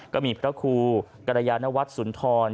ก็มีพระครูกรยานวัฒน์สุนทร